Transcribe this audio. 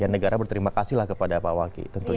ya negara berterima kasih lah kepada pak waki tentunya